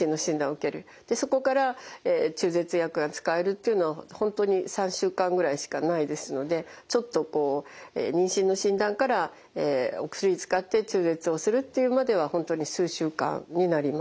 そこから中絶薬が使えるというのは本当に３週間ぐらいしかないですのでちょっとこう妊娠の診断からお薬使って中絶をするっていうまでは本当に数週間になります。